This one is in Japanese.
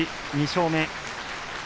２勝目。